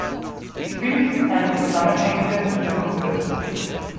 Sie bilden eine zusammenhängende Untergruppe.